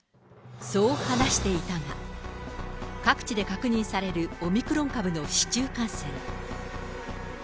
そう話していたが、各地で確認されるオミクロン株の市中感染。